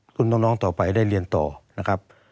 คุณน้องต่อไปได้เรียนต่อนะครับ